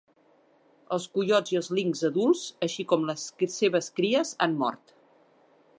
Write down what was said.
Els coiots i els linxs adults, així com les seves cries han mort.